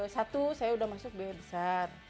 satu saya sudah masuk biaya besar